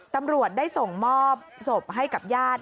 ตำรวจได้ส่งมอบศพให้กับญาติ